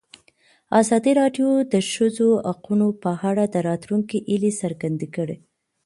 ازادي راډیو د د ښځو حقونه په اړه د راتلونکي هیلې څرګندې کړې.